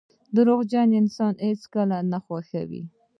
• دروغجن انسان هیڅوک نه خوښوي.